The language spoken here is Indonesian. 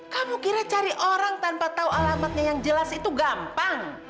kamu kira cari orang tanpa tahu alamatnya yang jelas itu gampang